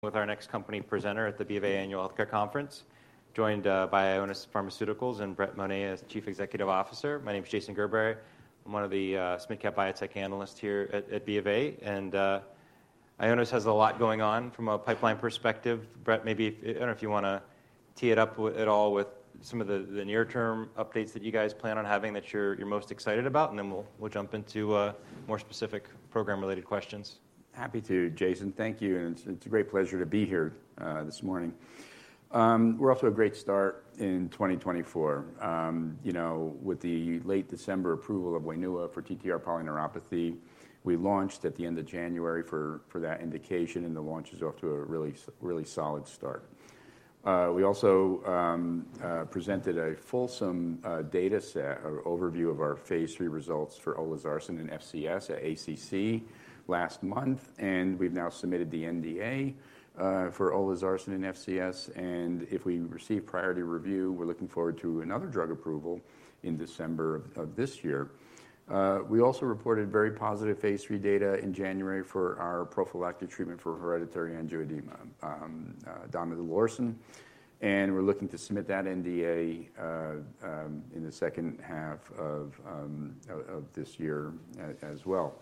With our next company presenter at the BofA Annual Health Care Conference, joined by Ionis Pharmaceuticals and Brett Monia as Chief Executive Officer. My name is Jason Gerberry. I'm one of the SMID Cap biotech analysts here at BofA. Ionis has a lot going on from a pipeline perspective. Brett, maybe I don't know if you want to tee it up at all with some of the near-term updates that you guys plan on having that you're most excited about, and then we'll jump into more specific program-related questions. Happy to, Jason. Thank you. It's a great pleasure to be here this morning. We've had a great start in 2024. With the late December approval of Wainua for TTR polyneuropathy, we launched at the end of January for that indication, and the launch is off to a really solid start. We also presented a fulsome data set or overview of our phase III results for olezarsen and FCS at ACC last month, and we've now submitted the NDA for olezarsen and FCS. If we receive priority review, we're looking forward to another drug approval in December of this year. We also reported very positive phase III data in January for our prophylactic treatment for hereditary angioedema, donidalorsen. We're looking to submit that NDA in the second half of this year as well.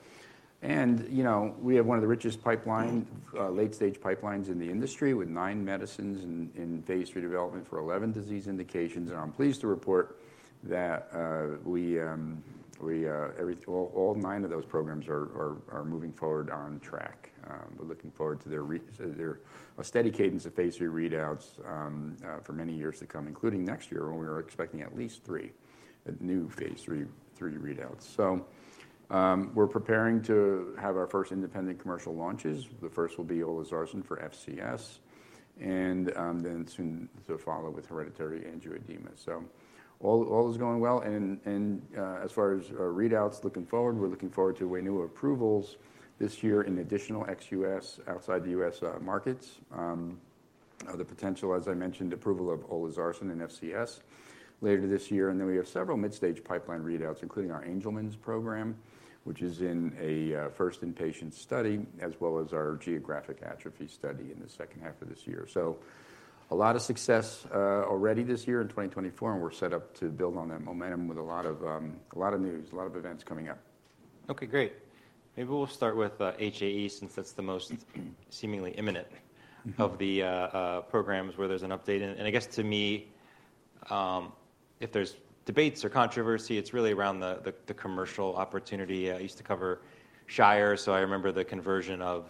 We have one of the richest pipelines, late-stage pipelines, in the industry with 9 medicines in phase III development for 11 disease indications. I'm pleased to report that all 9 of those programs are moving forward on track. We're looking forward to a steady cadence of phase III readouts for many years to come, including next year when we are expecting at least 3 new phase III readouts. We're preparing to have our first independent commercial launches. The first will be olosarsen for FCS, and then soon to follow with hereditary angioedema. All is going well. As far as readouts looking forward, we're looking forward to Wainua approvals this year in additional ex-U.S. markets outside the U.S., the potential, as I mentioned, approval of olosarsen for FCS later this year. And then we have several mid-stage pipeline readouts, including our Angelman's program, which is in a first-in-patient study, as well as our geographic atrophy study in the second half of this year. So a lot of success already this year in 2024, and we're set up to build on that momentum with a lot of news, a lot of events coming up. OK, great. Maybe we'll start with HAE since that's the most seemingly imminent of the programs where there's an update. I guess to me, if there's debates or controversy, it's really around the commercial opportunity. I used to cover Shire, so I remember the conversion of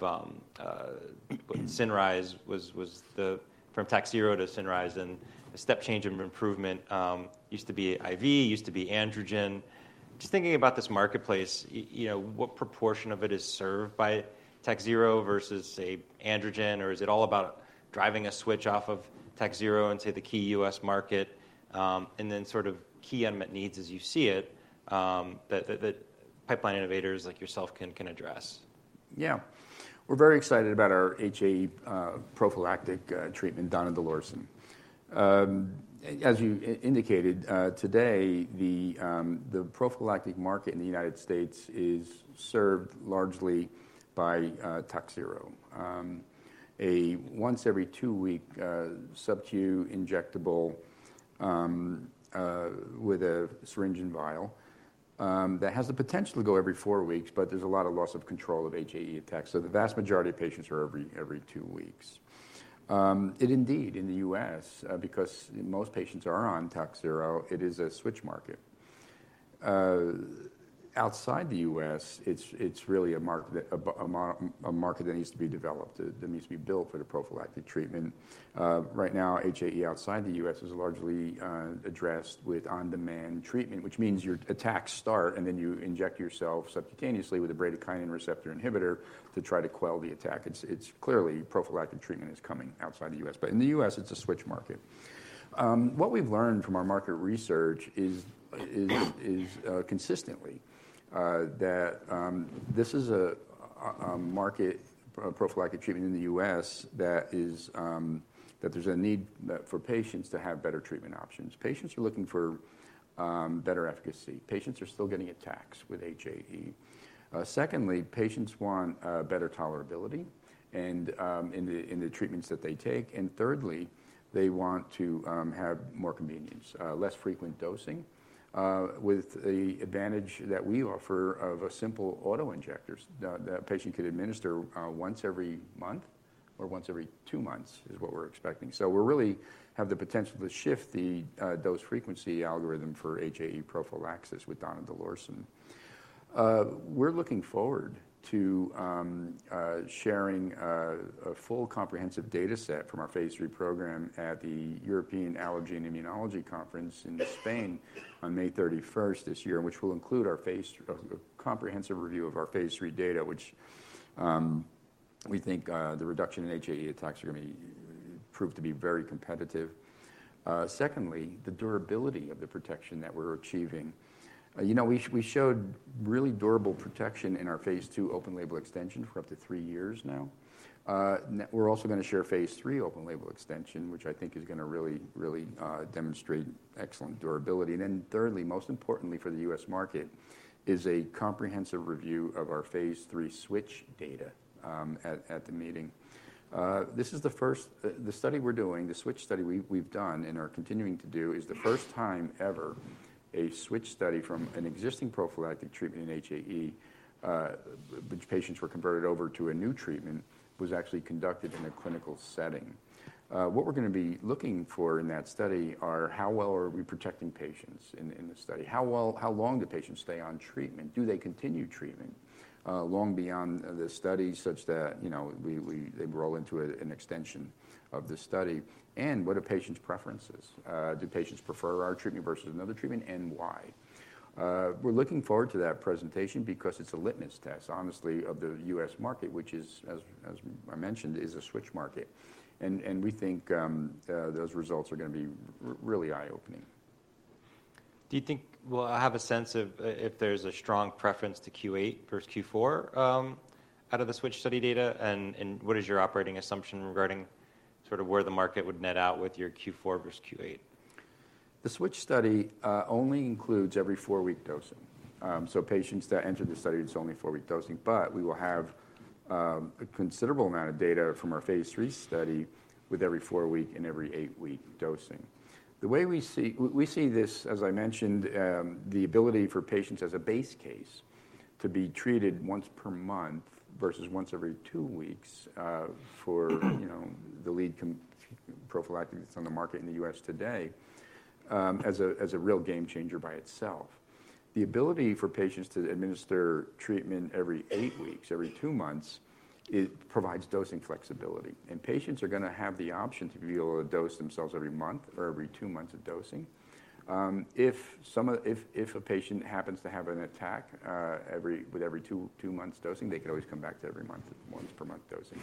Cinryze was the from Takhzyro to Cinryze, and a step change of improvement used to be IV, used to be androgen. Just thinking about this marketplace, what proportion of it is served by Takhzyro versus, say, androgen? Or is it all about driving a switch off of Takhzyro and, say, the key U.S. market, and then sort of key unmet needs as you see it that pipeline innovators like yourself can address? Yeah. We're very excited about our HAE prophylactic treatment, donidalorsen. As you indicated today, the prophylactic market in the United States is served largely by Takhzyro, a once every two-week subcu injectable with a syringe and vial that has the potential to go every four weeks, but there's a lot of loss of control of HAE attacks. So the vast majority of patients are every two weeks. It is indeed, in the U.S., because most patients are on Takhzyro, it is a switch market. Outside the U.S., it's really a market that needs to be developed, that needs to be built for the prophylactic treatment. Right now, HAE outside the U.S. is largely addressed with on-demand treatment, which means your attacks start and then you inject yourself subcutaneously with a bradykinin receptor inhibitor to try to quell the attack. It's clearly prophylactic treatment is coming outside the U.S. But in the U.S., it's a switch market. What we've learned from our market research is consistently that this is a market, prophylactic treatment in the U.S., that there's a need for patients to have better treatment options. Patients are looking for better efficacy. Patients are still getting attacks with HAE. Secondly, patients want better tolerability in the treatments that they take. And thirdly, they want to have more convenience, less frequent dosing, with the advantage that we offer of simple autoinjectors that a patient could administer once every month or once every 2 months is what we're expecting. So we really have the potential to shift the dose frequency algorithm for HAE prophylaxis with donidalorsen. We're looking forward to sharing a full comprehensive data set from our phase III program at the European Allergy and Immunology Conference in Spain on May 31 this year, in which we'll include our comprehensive review of our phase III data, which we think the reduction in HAE attacks are going to prove to be very competitive. Secondly, the durability of the protection that we're achieving. We showed really durable protection in our phase II open label extension for up to three years now. We're also going to share phase III open label extension, which I think is going to really, really demonstrate excellent durability. And then thirdly, most importantly for the U.S. market, is a comprehensive review of our phase III switch data at the meeting. This is the first study we're doing, the switch study we've done and are continuing to do, is the first time ever a switch study from an existing prophylactic treatment in HAE, which patients were converted over to a new treatment, was actually conducted in a clinical setting. What we're going to be looking for in that study are how well are we protecting patients in the study, how long do patients stay on treatment, do they continue treatment long beyond the study such that they roll into an extension of the study, and what are patients' preferences? Do patients prefer our treatment versus another treatment, and why? We're looking forward to that presentation because it's a litmus test, honestly, of the U.S. market, which is, as I mentioned, a switch market. We think those results are going to be really eye-opening. Do you think, well, I have a sense of if there's a strong preference to Q8 versus Q4 out of the switch study data. What is your operating assumption regarding sort of where the market would net out with your Q4 versus Q8? The switch study only includes every 4-week dosing. So patients that enter the study, it's only 4-week dosing. But we will have a considerable amount of data from our phase III study with every 4-week and every 8-week dosing. The way we see we see this, as I mentioned, the ability for patients as a base case to be treated once per month versus once every 2 weeks for the lead prophylactic that's on the market in the U.S. today as a real game changer by itself. The ability for patients to administer treatment every 8 weeks, every 2 months, provides dosing flexibility. And patients are going to have the option to be able to dose themselves every month or every 2 months of dosing. If a patient happens to have an attack with every 2-month dosing, they could always come back to every month, once per month dosing.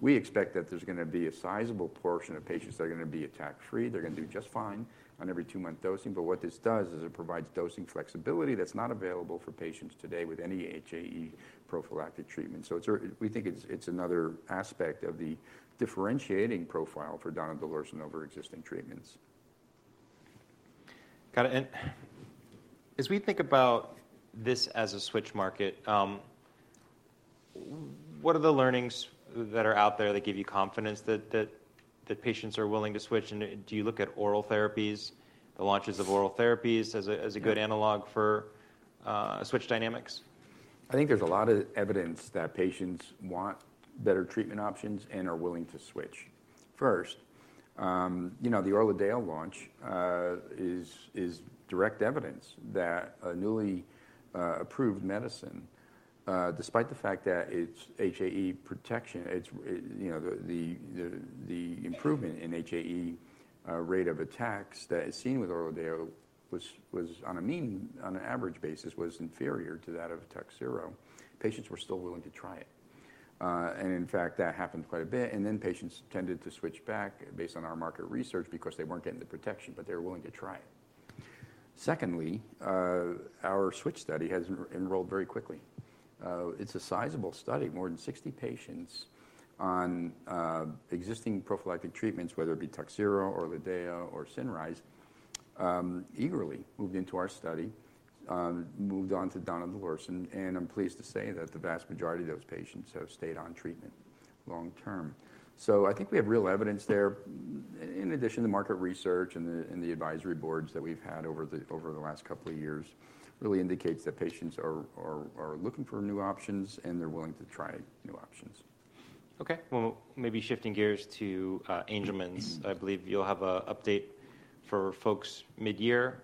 We expect that there's going to be a sizable portion of patients that are going to be attack-free. They're going to do just fine on every 2-month dosing. But what this does is it provides dosing flexibility that's not available for patients today with any HAE prophylactic treatment. So we think it's another aspect of the differentiating profile for donidalorsen over existing treatments. Got it. And as we think about this as a switch market, what are the learnings that are out there that give you confidence that patients are willing to switch? And do you look at oral therapies, the launches of oral therapies, as a good analog for switch dynamics? I think there's a lot of evidence that patients want better treatment options and are willing to switch. First, the Orladeyo launch is direct evidence that a newly approved medicine, despite the fact that it's HAE prophylaxis, the improvement in HAE attack rate that is seen with Orladeyo was, on an average basis, inferior to that of Takhzyro. Patients were still willing to try it. In fact, that happened quite a bit. Then patients tended to switch back based on our market research because they weren't getting the protection, but they were willing to try it. Secondly, our switch study has enrolled very quickly. It's a sizable study. More than 60 patients on existing prophylactic treatments, whether it be Takhzyro, Orladeyo, or Cinryze, eagerly moved into our study, moved on to donidalorsen. I'm pleased to say that the vast majority of those patients have stayed on treatment long term. I think we have real evidence there. In addition, the market research and the advisory boards that we've had over the last couple of years really indicates that patients are looking for new options and they're willing to try new options. OK. Well, maybe shifting gears to Angelman's. I believe you'll have an update for folks mid-year,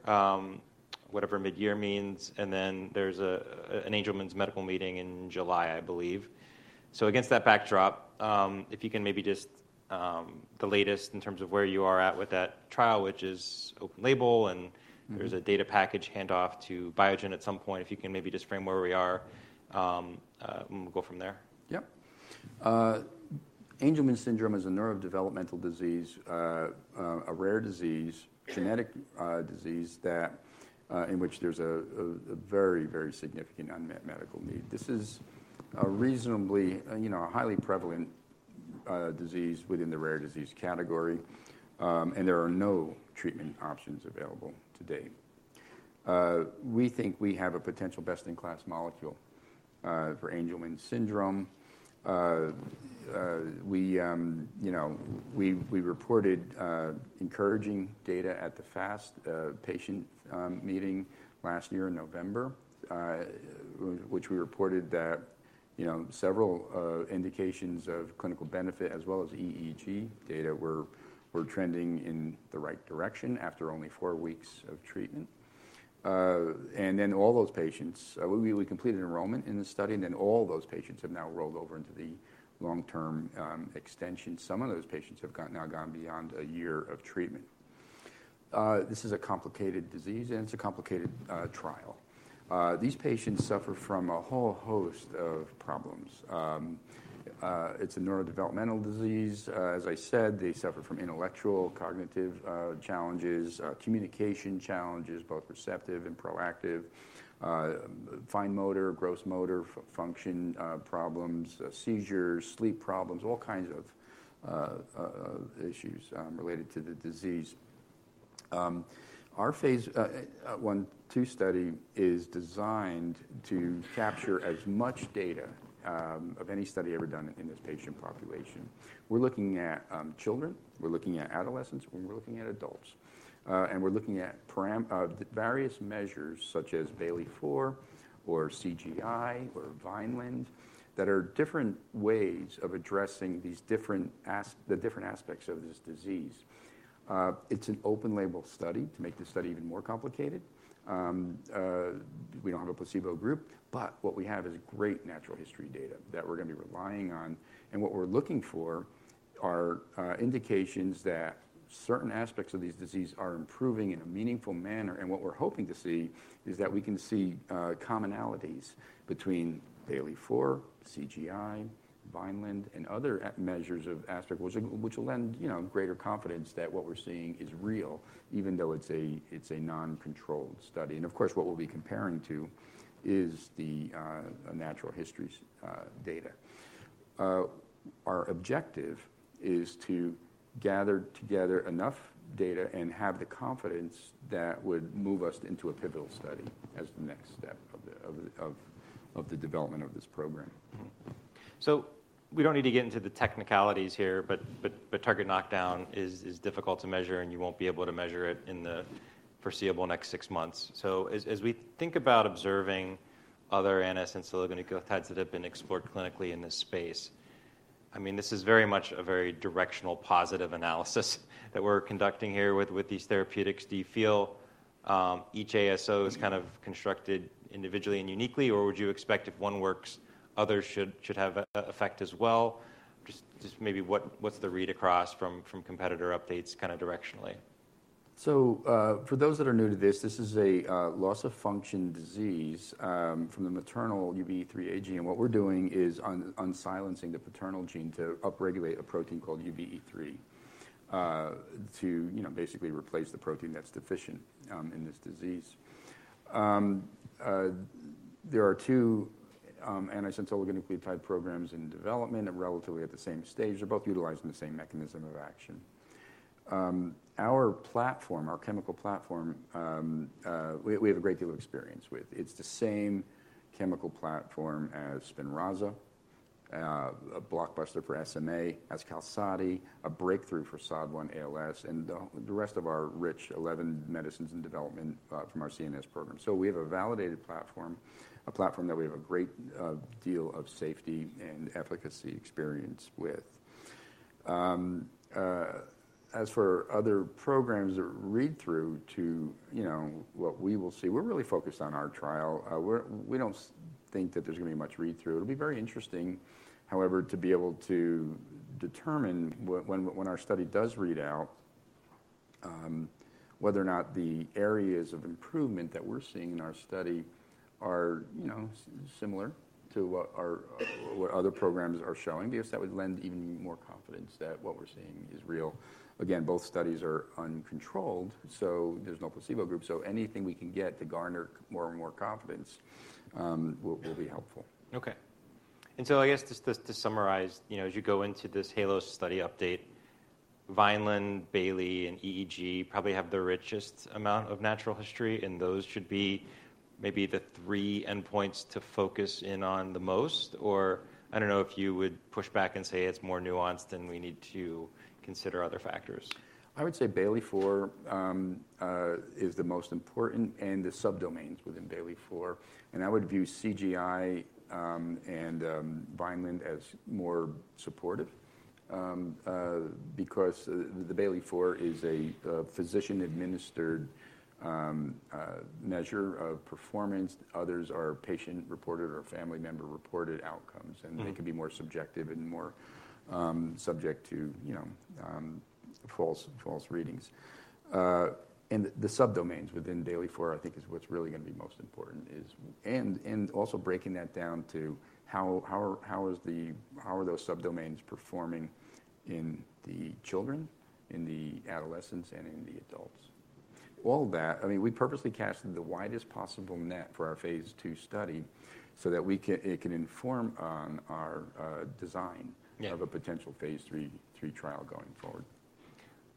whatever mid-year means. And then there's an Angelman's medical meeting in July, I believe. So against that backdrop, if you can maybe just the latest in terms of where you are at with that trial, which is open label, and there's a data package handoff to Biogen at some point, if you can maybe just frame where we are, and we'll go from there. Yep. Angelman syndrome is a neurodevelopmental disease, a rare disease, genetic disease in which there's a very, very significant unmet medical need. This is a reasonably highly prevalent disease within the rare disease category. There are no treatment options available today. We think we have a potential best-in-class molecule for Angelman syndrome. We reported encouraging data at the FAST patient meeting last year in November, which we reported that several indications of clinical benefit, as well as EEG data, were trending in the right direction after only four weeks of treatment. And then all those patients we completed enrollment in the study, and then all those patients have now rolled over into the long-term extension. Some of those patients have now gone beyond a year of treatment. This is a complicated disease, and it's a complicated trial. These patients suffer from a whole host of problems. It's a neurodevelopmental disease. As I said, they suffer from intellectual, cognitive challenges, communication challenges, both receptive and proactive, fine motor, gross motor function problems, seizures, sleep problems, all kinds of issues related to the disease. Our phase I and II study is designed to capture as much data of any study ever done in this patient population. We're looking at children, we're looking at adolescents, and we're looking at adults. And we're looking at various measures such as Bayley-4 or CGI or Vineland that are different ways of addressing these different aspects of this disease. It's an open label study. To make this study even more complicated, we don't have a placebo group. But what we have is great natural history data that we're going to be relying on. And what we're looking for are indications that certain aspects of these diseases are improving in a meaningful manner. What we're hoping to see is that we can see commonalities between Bayley-4, CGI, Vineland, and other measures of aspect, which will lend greater confidence that what we're seeing is real, even though it's a noncontrolled study. Of course, what we'll be comparing to is the natural history data. Our objective is to gather together enough data and have the confidence that would move us into a pivotal study as the next step of the development of this program. So we don't need to get into the technicalities here. But target knockdown is difficult to measure, and you won't be able to measure it in the foreseeable next 6 months. So as we think about observing other antisense oligonucleotides that have been explored clinically in this space, I mean, this is very much a very directional positive analysis that we're conducting here with these therapeutics. Do you feel each ASO is kind of constructed individually and uniquely, or would you expect if one works, others should have effect as well? Just maybe what's the read across from competitor updates kind of directionally? So for those that are new to this, this is a loss of function disease from the maternal UBE3A gene. What we're doing is unsilencing the paternal gene to upregulate a protein called UBE3 to basically replace the protein that's deficient in this disease. There are two antisense oligonucleotide programs in development relatively at the same stage. They're both utilizing the same mechanism of action. Our platform, our chemical platform, we have a great deal of experience with. It's the same chemical platform as Spinraza, a blockbuster for SMA, as Qalsody, a breakthrough for SOD1-ALS, and the rest of our rich 11 medicines in development from our CNS program. So we have a validated platform, a platform that we have a great deal of safety and efficacy experience with. As for other programs that read through to what we will see, we're really focused on our trial. We don't think that there's going to be much read through. It'll be very interesting, however, to be able to determine when our study does read out whether or not the areas of improvement that we're seeing in our study are similar to what other programs are showing, because that would lend even more confidence that what we're seeing is real. Again, both studies are uncontrolled, so there's no placebo group. So anything we can get to garner more and more confidence will be helpful. OK. And so I guess just to summarize, as you go into this HALOS study update, Vineland, Bayley, and EEG probably have the richest amount of natural history. And those should be maybe the three endpoints to focus in on the most? Or I don't know if you would push back and say it's more nuanced and we need to consider other factors. I would say Bayley-4 is the most important and the subdomains within Bayley-4. I would view CGI and Vineland as more supportive because the Bayley-4 is a physician-administered measure of performance. Others are patient-reported or family member-reported outcomes. They can be more subjective and more subject to false readings. The subdomains within Bayley-4, I think, is what's really going to be most important, and also breaking that down to how are those subdomains performing in the children, in the adolescents, and in the adults. All that, I mean, we purposely cast the widest possible net for our phase II study so that it can inform our design of a potential phase III trial going forward.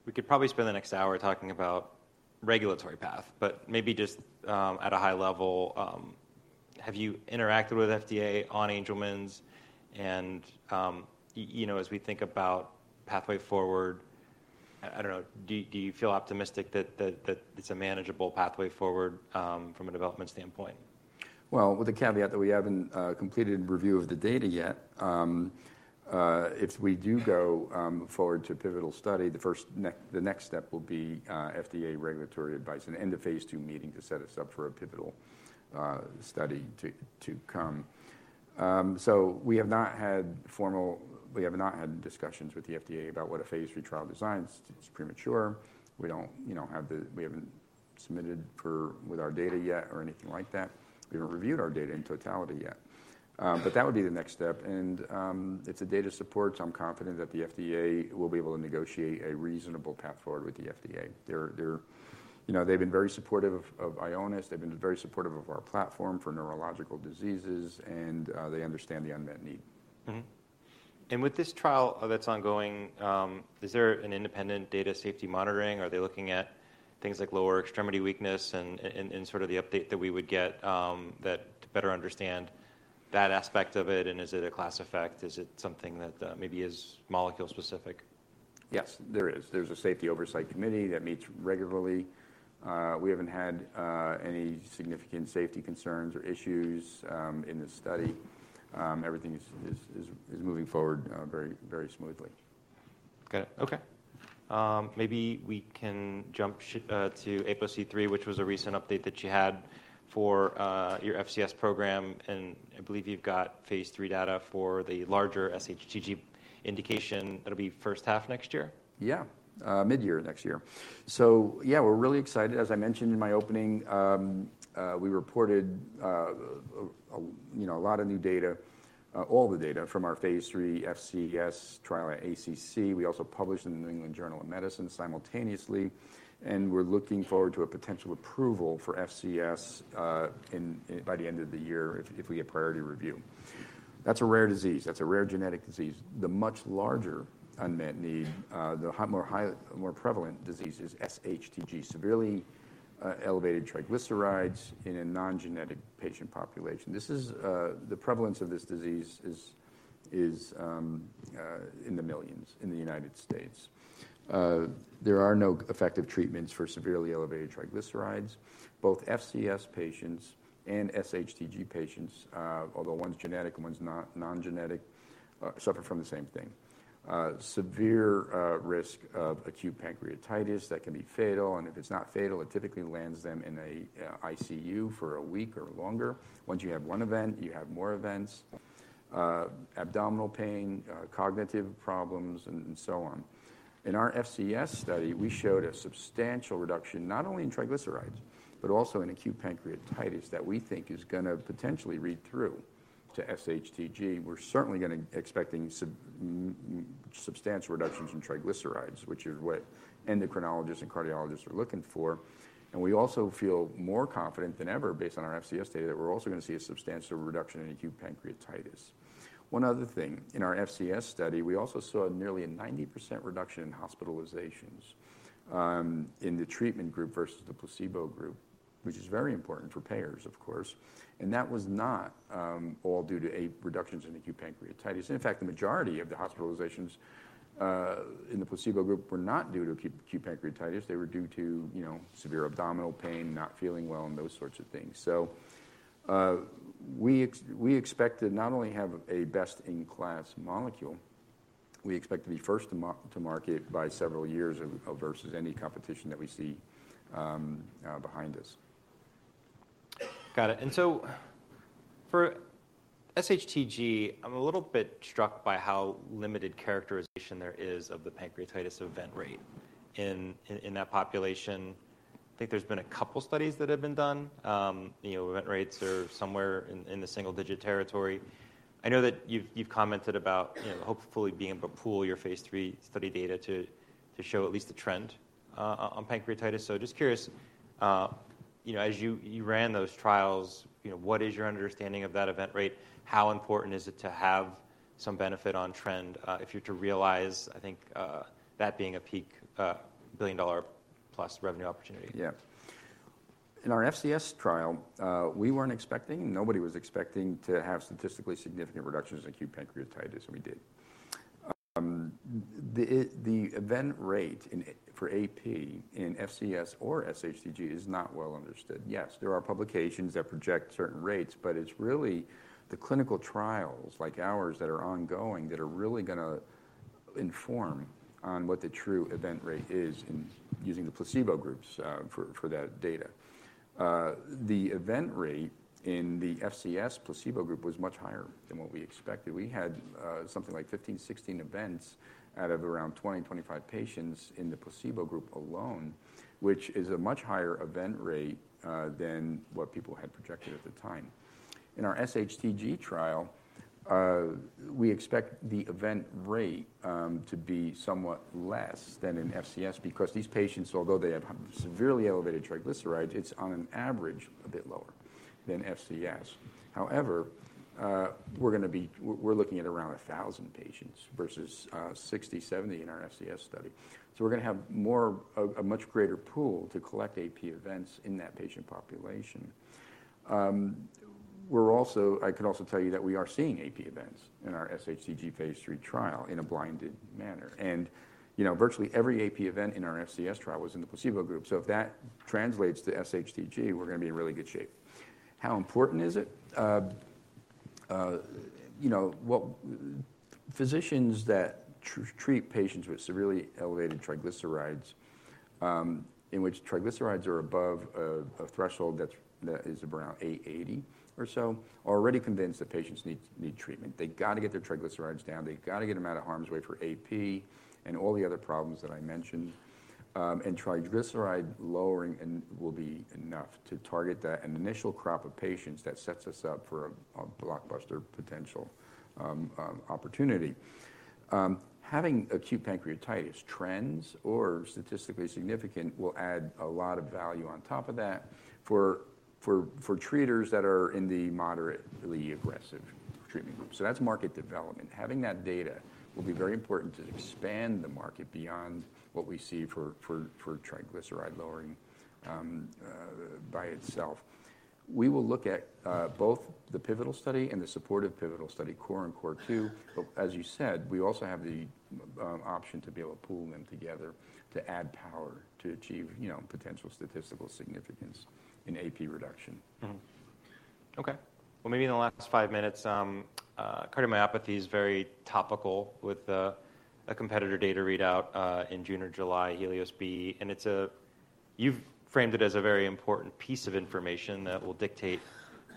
We could probably spend the next hour talking about the regulatory path. But maybe just at a high level, have you interacted with FDA on Angelman's? And as we think about pathway forward, I don't know, do you feel optimistic that it's a manageable pathway forward from a development standpoint? Well, with the caveat that we haven't completed review of the data yet, if we do go forward to a pivotal study, the next step will be FDA regulatory advice and end of phase II meeting to set us up for a pivotal study to come. So we have not had formal discussions with the FDA about what a phase III trial designs. It's premature. We haven't submitted our data yet or anything like that. We haven't reviewed our data in totality yet. But that would be the next step. And it's a data support. So I'm confident that the FDA will be able to negotiate a reasonable path forward with the FDA. They've been very supportive of Ionis. They've been very supportive of our platform for neurological diseases. And they understand the unmet need. With this trial that's ongoing, is there an independent data safety monitoring? Are they looking at things like lower extremity weakness and sort of the update that we would get to better understand that aspect of it? And is it a class effect? Is it something that maybe is molecule specific? Yes, there is. There's a safety oversight committee that meets regularly. We haven't had any significant safety concerns or issues in this study. Everything is moving forward very, very smoothly. Got it. OK. Maybe we can jump to APOC3, which was a recent update that you had for your FCS program. And I believe you've got phase III data for the larger SHTG indication. That'll be first half next year? Yeah, mid-year next year. So yeah, we're really excited. As I mentioned in my opening, we reported a lot of new data, all the data from our Phase III FCS trial at ACC. We also published in the New England Journal of Medicine simultaneously. And we're looking forward to a potential approval for FCS by the end of the year if we get priority review. That's a rare disease. That's a rare genetic disease. The much larger unmet need, the more prevalent disease, is SHTG, severely elevated triglycerides in a non-genetic patient population. The prevalence of this disease is in the millions in the United States. There are no effective treatments for severely elevated triglycerides. Both FCS patients and SHTG patients, although one's genetic and one's non-genetic, suffer from the same thing: severe risk of acute pancreatitis that can be fatal. If it's not fatal, it typically lands them in an ICU for a week or longer. Once you have one event, you have more events: abdominal pain, cognitive problems, and so on. In our FCS study, we showed a substantial reduction not only in triglycerides but also in acute pancreatitis that we think is going to potentially read through to SHTG. We're certainly going to be expecting substantial reductions in triglycerides, which is what endocrinologists and cardiologists are looking for. We also feel more confident than ever, based on our FCS data, that we're also going to see a substantial reduction in acute pancreatitis. One other thing, in our FCS study, we also saw nearly a 90% reduction in hospitalizations in the treatment group versus the placebo group, which is very important for payers, of course. That was not all due to reductions in acute pancreatitis. In fact, the majority of the hospitalizations in the placebo group were not due to acute pancreatitis. They were due to severe abdominal pain, not feeling well, and those sorts of things. So we expect to not only have a best-in-class molecule, we expect to be first to market by several years versus any competition that we see behind us. Got it. So for SHTG, I'm a little bit struck by how limited characterization there is of the pancreatitis event rate in that population. I think there's been a couple of studies that have been done. Event rates are somewhere in the single-digit territory. I know that you've commented about hopefully being able to pool your phase III study data to show at least a trend on pancreatitis. So just curious, as you ran those trials, what is your understanding of that event rate? How important is it to have some benefit on trend if you're to realize, I think, that being a peak $1 billion-plus revenue opportunity? Yeah. In our FCS trial, we weren't expecting, and nobody was expecting to have statistically significant reductions in acute pancreatitis. And we did. The event rate for AP in FCS or SHTG is not well understood. Yes, there are publications that project certain rates. But it's really the clinical trials, like ours, that are ongoing that are really going to inform on what the true event rate is in using the placebo groups for that data. The event rate in the FCS placebo group was much higher than what we expected. We had something like 15-16 events out of around 20-25 patients in the placebo group alone, which is a much higher event rate than what people had projected at the time. In our SHTG trial, we expect the event rate to be somewhat less than in FCS because these patients, although they have severely elevated triglycerides, it's on an average a bit lower than FCS. However, we're going to be looking at around 1,000 patients versus 60, 70 in our FCS study. So we're going to have a much greater pool to collect AP events in that patient population. I could also tell you that we are seeing AP events in our SHTG phase III trial in a blinded manner. And virtually every AP event in our FCS trial was in the placebo group. So if that translates to SHTG, we're going to be in really good shape. How important is it? Physicians that treat patients with severely elevated triglycerides, in which triglycerides are above a threshold that is around 880 or so, are already convinced that patients need treatment. They've got to get their triglycerides down. They've got to get them out of harm's way for AP and all the other problems that I mentioned. Triglyceride lowering will be enough to target that initial crop of patients that sets us up for a blockbuster potential opportunity. Having acute pancreatitis trends or statistically significant will add a lot of value on top of that for treaters that are in the moderately aggressive treatment group. That's market development. Having that data will be very important to expand the market beyond what we see for triglyceride lowering by itself. We will look at both the pivotal study and the supportive pivotal study, CORE and CORE2. As you said, we also have the option to be able to pool them together to add power to achieve potential statistical significance in AP reduction. OK. Well, maybe in the last 5 minutes, cardiomyopathy is very topical with a competitor data readout in June or July, HELIOS-B. And you've framed it as a very important piece of information that will dictate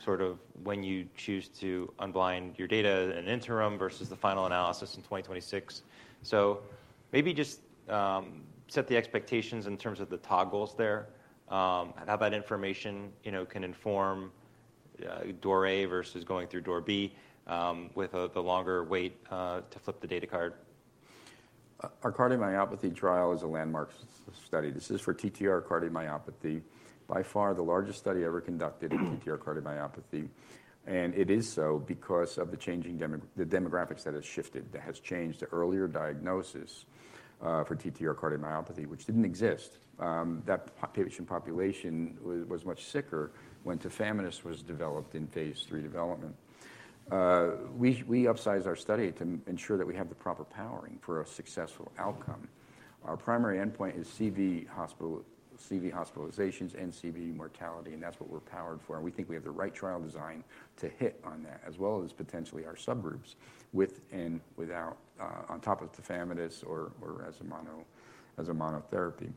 sort of when you choose to unblind your data in the interim versus the final analysis in 2026. So maybe just set the expectations in terms of the toggles there. How that information can inform Door A versus going through Door B with the longer wait to flip the data card. Our cardiomyopathy trial is a landmark study. This is for TTR cardiomyopathy, by far the largest study ever conducted in TTR cardiomyopathy. It is so because of the demographics that have shifted, that has changed the earlier diagnosis for TTR cardiomyopathy, which didn't exist. That patient population was much sicker when tafamidis was developed in phase III development. We upsized our study to ensure that we have the proper powering for a successful outcome. Our primary endpoint is CV hospitalizations and CV mortality. That's what we're powered for. We think we have the right trial design to hit on that, as well as potentially our subgroups with and without on top of tafamidis or as a monotherapy.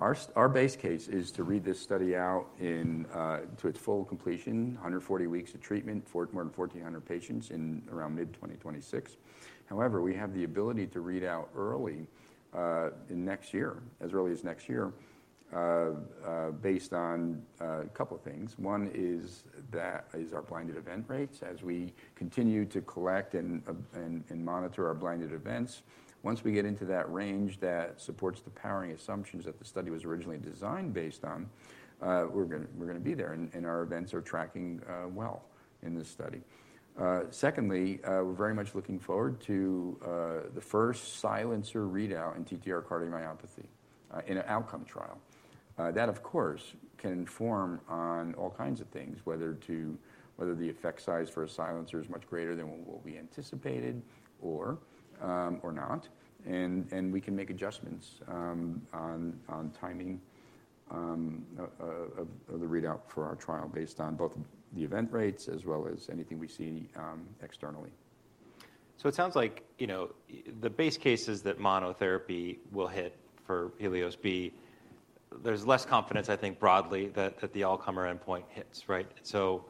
Our base case is to read this study out to its full completion, 140 weeks of treatment for more than 1,400 patients in around mid-2026. However, we have the ability to read out early in next year, as early as next year, based on a couple of things. One is our blinded event rates. As we continue to collect and monitor our blinded events, once we get into that range that supports the powering assumptions that the study was originally designed based on, we're going to be there. And our events are tracking well in this study. Secondly, we're very much looking forward to the first silencer readout in TTR cardiomyopathy in an outcome trial. That, of course, can inform on all kinds of things, whether the effect size for a silencer is much greater than what we anticipated or not. And we can make adjustments on timing of the readout for our trial based on both the event rates as well as anything we see externally. So it sounds like the base case is that monotherapy will hit for HELIOS-B. There's less confidence, I think, broadly that the all-comer endpoint hits, right? So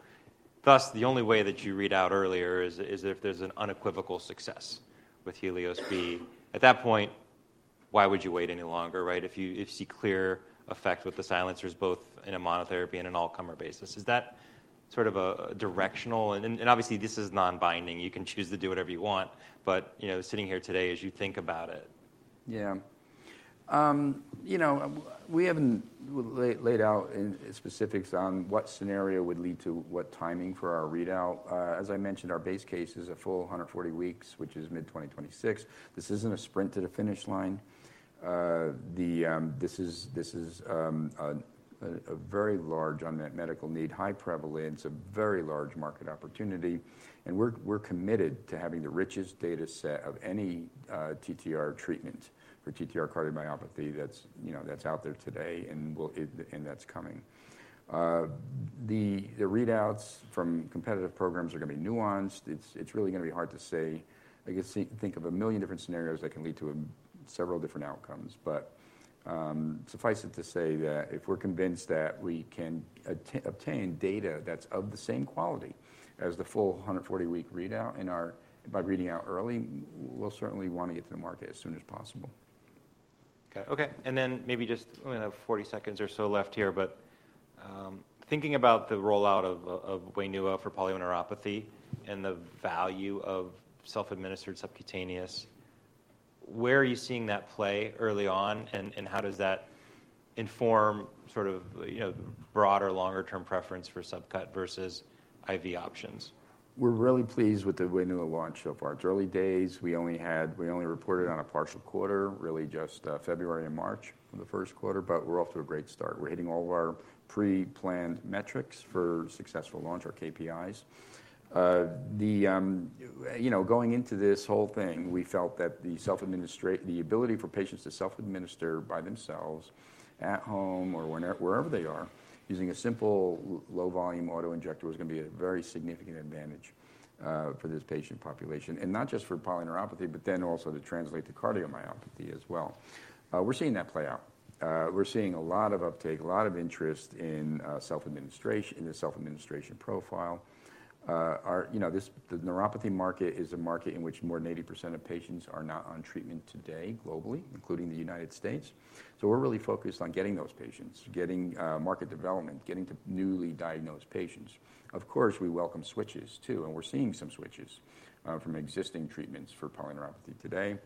thus, the only way that you read out earlier is if there's an unequivocal success with HELIOS-B. At that point, why would you wait any longer if you see clear effect with the silencers, both in a monotherapy and an all-comer basis? Is that sort of a directional, and obviously, this is non-binding. You can choose to do whatever you want. But sitting here today, as you think about it. Yeah. We haven't laid out specifics on what scenario would lead to what timing for our readout. As I mentioned, our base case is a full 140 weeks, which is mid-2026. This isn't a sprint to the finish line. This is a very large unmet medical need, high prevalence, a very large market opportunity. And we're committed to having the richest data set of any TTR treatment for TTR cardiomyopathy that's out there today and that's coming. The readouts from competitive programs are going to be nuanced. It's really going to be hard to say. I can think of a million different scenarios that can lead to several different outcomes. But suffice it to say that if we're convinced that we can obtain data that's of the same quality as the full 140-week readout by reading out early, we'll certainly want to get to the market as soon as possible. OK. And then maybe just we only have 40 seconds or so left here. But thinking about the rollout ofWainua for polyneuropathy and the value of self-administered subcutaneous, where are you seeing that play early on? And how does that inform sort of broader, longer-term preference for subcut versus IV options? We're really pleased with the Wainua launch so far. It's early days. We only reported on a partial quarter, really just February and March for the first quarter. But we're off to a great start. We're hitting all of our pre-planned metrics for successful launch, our KPIs. Going into this whole thing, we felt that the ability for patients to self-administer by themselves at home or wherever they are using a simple low-volume autoinjector was going to be a very significant advantage for this patient population, and not just for polyneuropathy, but then also to translate to cardiomyopathy as well. We're seeing that play out. We're seeing a lot of uptake, a lot of interest in the self-administration profile. The neuropathy market is a market in which more than 80% of patients are not on treatment today globally, including the United States. So we're really focused on getting those patients, getting market development, getting to newly diagnosed patients. Of course, we welcome switches too. We're seeing some switches from existing treatments for polyneuropathy today.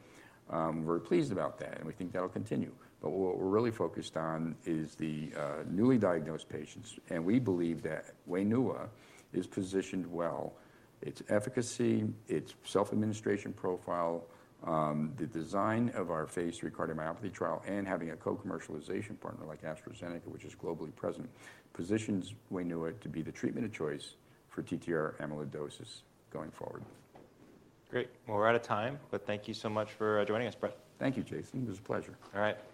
We're pleased about that. We think that'll continue. But what we're really focused on is the newly diagnosed patients. We believe that Wainua is positioned well. Its efficacy, its self-administration profile, the design of our Phase III cardiomyopathy trial, and having a co-commercialization partner like AstraZeneca, which is globally present, positions Wainua to be the treatment of choice for TTR amyloidosis going forward. Great. Well, we're out of time. But thank you so much for joining us, Brett. Thank you, Jason. It was a pleasure. All right.